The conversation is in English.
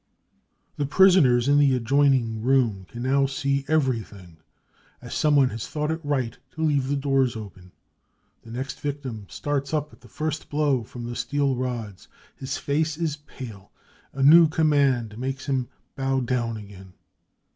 The prisoners in the adjoining room can now see every thing, as someone has thought it right to leave the doors open. The next victim starts up at the first blow from the steel rods. His face is pale ; a new command makes him bow down again.